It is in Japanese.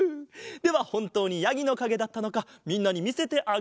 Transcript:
ではほんとうにやぎのかげだったのかみんなにみせてあげよう。